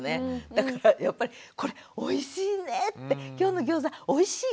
だからやっぱり「これおいしいね」って「今日のギョーザおいしい？